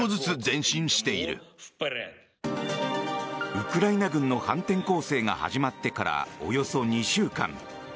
ウクライナ軍の反転攻勢が始まってからおよそ２週間。